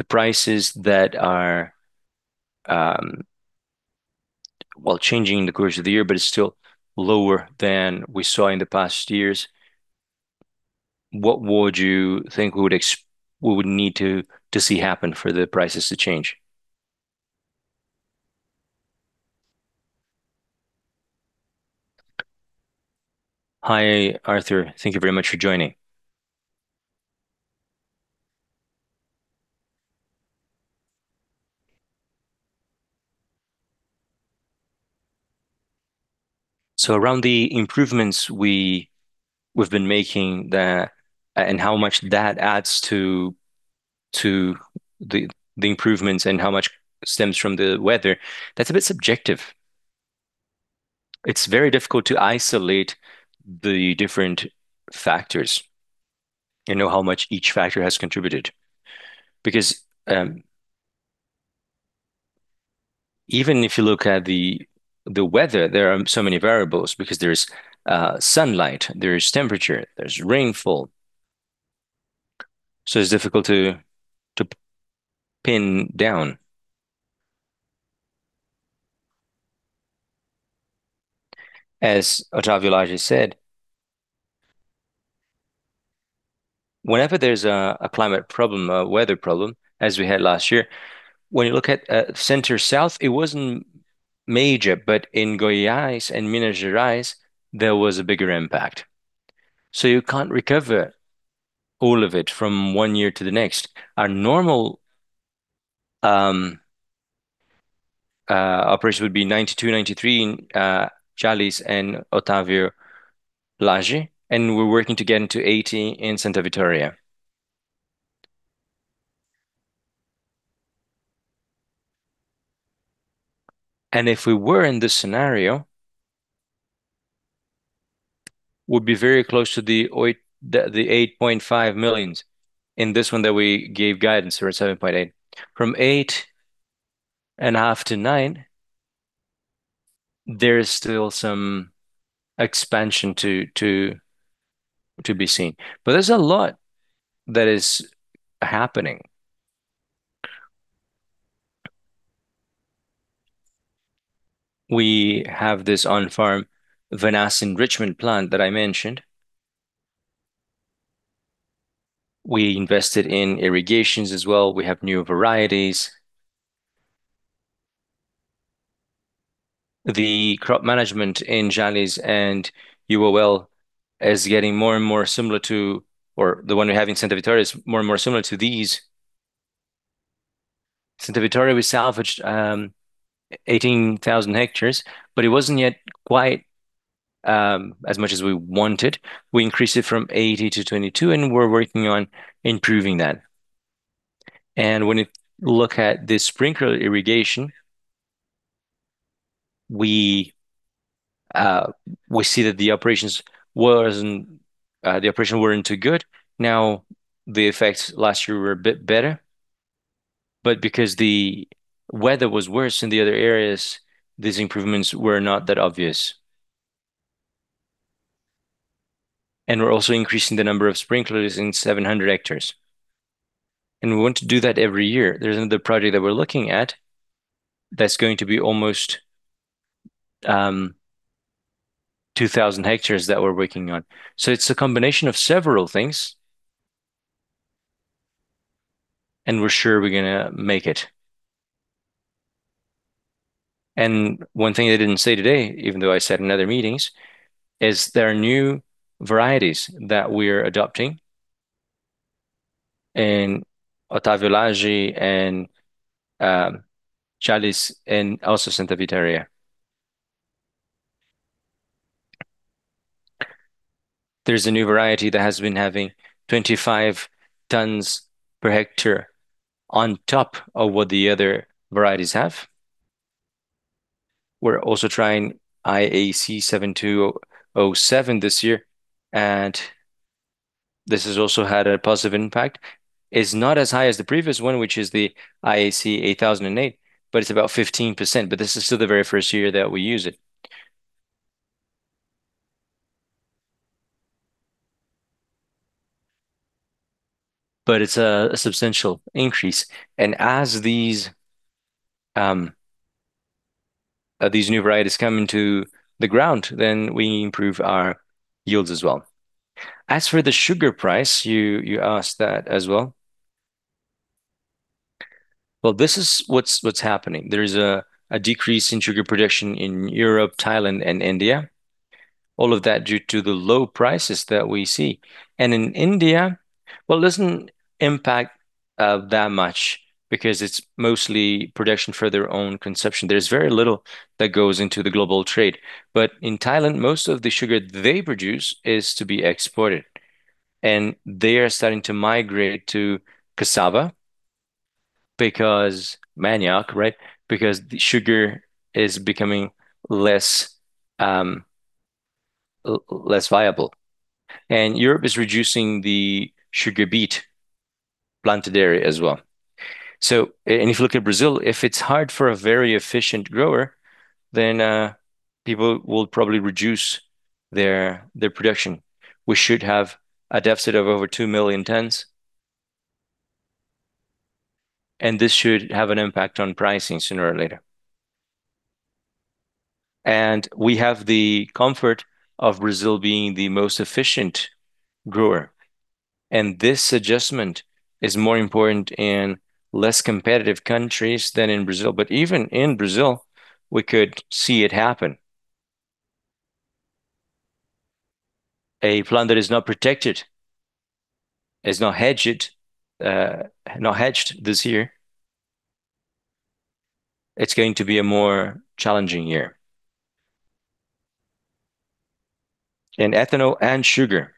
prices that are changing in the course of the year, but it's still lower than we saw in the past years. What would you think we would need to see happen for the prices to change? Hi, Arthur. Thank you very much for joining. Around the improvements we've been making there and how much that adds to the improvements and how much stems from the weather, that's a bit subjective. It's very difficult to isolate the different factors and know how much each factor has contributed. Even if you look at the weather, there are so many variables because there's sunlight, there's temperature, there's rainfall. It's difficult to pin down. As Otávio Lage said, whenever there's a climate problem, a weather problem, as we had last year, when you look at Center-South, it wasn't major, but in Goiás and Minas Gerais, there was a bigger impact. You can't recover all of it from one year to the next. Our normal operation would be 92, 93 in Jalles Machado and Otávio Lage, and we're working to get into 80 in Santa Vitória. If we were in this scenario, would be very close to the 8.5 millions in this one that we gave guidance for at 7.8. From 8.5 millions to 9 millions, there is still some expansion to be seen. There's a lot that is happening. We have this on-farm vinasse enrichment plant that I mentioned. We invested in irrigations as well. We have new varieties. The crop management in Jalles and UOL is getting more and more similar to or the one we have in Santa Vitória is more and more similar to these. Santa Vitória, we salvaged 18,000 hectares, but it wasn't yet quite as much as we wanted. We increased it from 80 to 22, we're working on improving that. When you look at the sprinkler irrigation, we see that the operations weren't too good. Now, the effects last year were a bit better, but because the weather was worse in the other areas, these improvements were not that obvious. We're also increasing the number of sprinklers in 700 hectares. We want to do that every year. There's another project that we're looking at that's going to be almost 2,000 hectares that we're working on. It's a combination of several things, we're sure we're going to make it. One thing I didn't say today, even though I said in other meetings, is there are new varieties that we're adopting in Otávio Lage and Jalles and also Santa Vitória. There's a new variety that has been having 25 tons per hectare on top of what the other varieties have. We're also trying IAC 7207 this year, and this has also had a positive impact. It's not as high as the previous one, which is the IAC 8008, but it's about 15%. This is still the very first year that we use it. It's a substantial increase. As these new varieties come into the ground, we improve our yields as well. As for the sugar price, you asked that as well. This is what's happening. There is a decrease in sugar production in Europe, Thailand, and India. All of that due to the low prices that we see. In India, well, it doesn't impact that much because it's mostly production for their own consumption. There's very little that goes into the global trade. In Thailand, most of the sugar they produce is to be exported, and they are starting to migrate to cassava because manioc, right, because sugar is becoming less viable. Europe is reducing the sugar beet planted area as well. If you look at Brazil, if it's hard for a very efficient grower, people will probably reduce their production. We should have a deficit of over 2 million tons, this should have an impact on pricing sooner or later. We have the comfort of Brazil being the most efficient grower, and this adjustment is more important in less competitive countries than in Brazil. Even in Brazil, we could see it happen. A plan that is not protected, is not hedged this year, it's going to be a more challenging year in ethanol and sugar.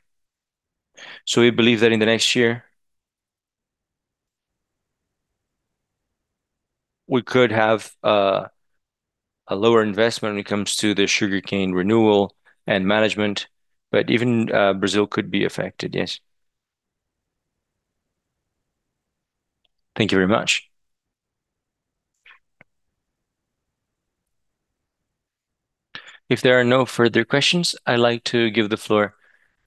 We believe that in the next year, we could have a lower investment when it comes to the sugarcane renewal and management, but even Brazil could be affected. Yes. Thank you very much. If there are no further questions, I'd like to give the floor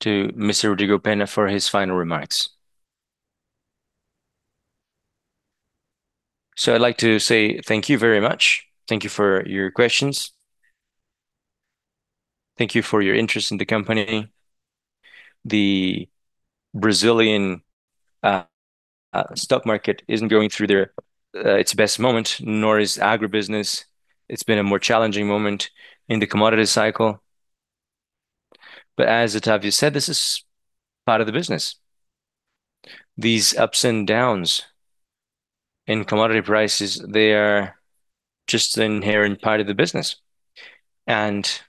to Mr. Rodrigo Penna for his final remarks. I'd like to say thank you very much. Thank you for your questions. Thank you for your interest in the company. The Brazilian stock market isn't going through its best moment, nor is agribusiness. It's been a more challenging moment in the commodity cycle. As Otávio said, this is part of the business. These ups and downs in commodity prices, they are just an inherent part of the business. What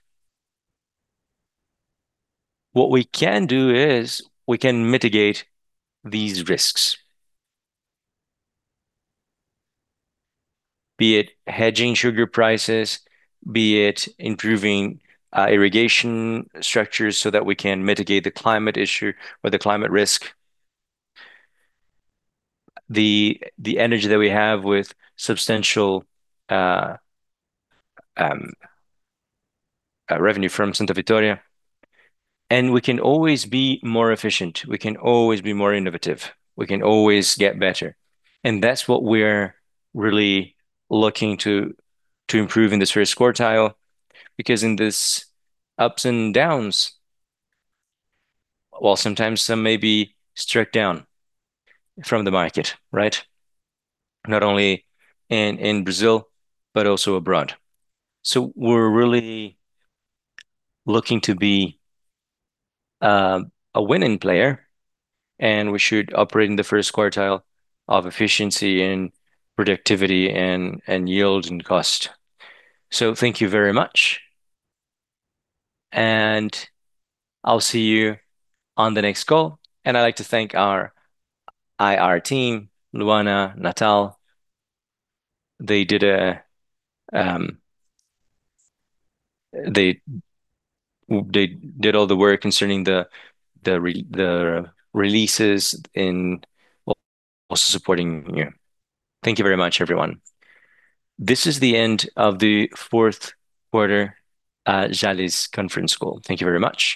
we can do is we can mitigate these risks, be it hedging sugar prices, be it improving irrigation structures so that we can mitigate the climate issue or the climate risk, the energy that we have with substantial revenue from Santa Vitória. We can always be more efficient. We can always be more innovative. We can always get better. That's what we're really looking to improve in this first quartile, because in these ups and downs, while sometimes some may be stripped down from the market, right? Not only in Brazil, but also abroad. We're really looking to be a winning player, and we should operate in the first quartile of efficiency and productivity and yield and cost. Thank you very much. I'll see you on the next call. I'd like to thank our IR team, Luana, Natal. They did all the work concerning the releases and also supporting you. Thank you very much, everyone. This is the end of the fourth quarter at Jalles conference call. Thank you very much.